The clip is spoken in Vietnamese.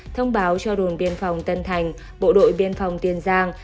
thông báo cho đồn biên phòng tân thành bộ đội biên phòng tiên giang